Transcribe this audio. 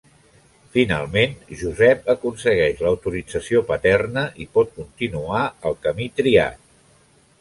Finalment Josep aconsegueix l'autorització paterna i pot continuar el camí triat.